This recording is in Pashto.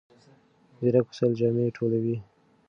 ځیرک وسایل جامې ټولوي.